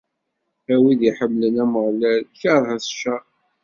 A wid iḥemmlen Ameɣlal, kerhet ccer!